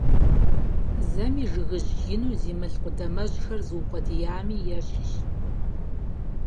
Зэми жыгыжь ину зи мыл къудамэжьхэр зыукъуэдиям ещхыц.